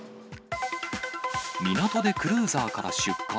港でクルーザーから出火。